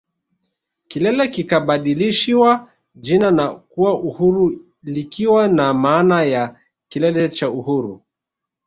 Kilele kikabadilishiwa jina na kuwa Uhuru likiwa na maana ya Kilele cha Uhuru